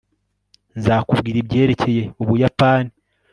nzakubwira ibyerekeye ubuyapani